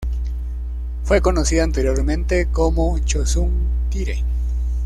Fue conocida anteriormente como Chosun Tire.